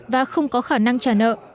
và không có khả năng trả nợ